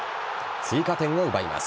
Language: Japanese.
追加点を奪います。